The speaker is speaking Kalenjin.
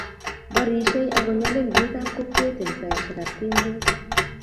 barishei, ago nyalil biikap kokwet eng saishekab kemboi